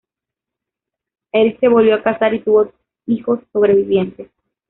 Eric se volvió a casar y tuvo hijos sobrevivientes.